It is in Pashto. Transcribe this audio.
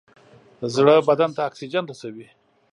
زړه بدن ته اکسیجن رسوي.